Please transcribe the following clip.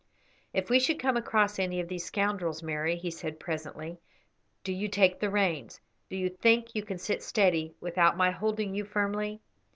"If we should come across any of these scoundrels, Mary," he said, presently, "do you take the reins. Do you think you can sit steady without my holding you firmly?"